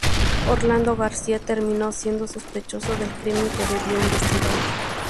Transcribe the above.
Orlando García terminó siendo sospechoso del crimen que debía investigar.